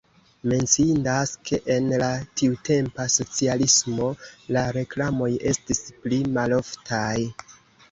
Menciindas, ke en la tiutempa socialismo la reklamoj estis pli maloftaj.